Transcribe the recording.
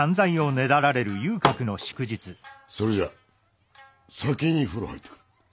それじゃ先に風呂入ってくる。